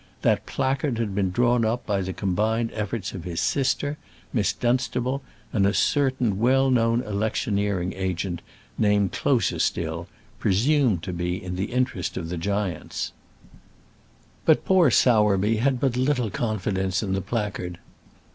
That placard had been drawn up by the combined efforts of his sister, Miss Dunstable, and a certain well known electioneering agent, named Closerstill, presumed to be in the interest of the giants. But poor Sowerby had but little confidence in the placard.